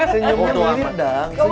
senyumnya mirip dang